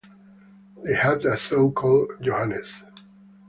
They had a son called Johannes.